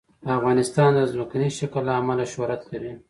افغانستان د ځمکنی شکل له امله شهرت لري.